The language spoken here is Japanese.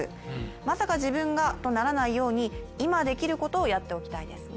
まさか自分がとならないように、今できることをやっておきたいですね。